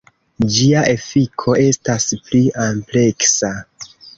Ĝia efiko estas pli ampleksa.